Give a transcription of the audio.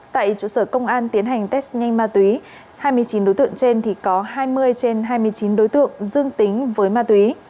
tại trụ sở công an tiến hành test nhanh ma túy hai mươi chín đối tượng trên thì có hai mươi trên hai mươi chín đối tượng dương tính với ma túy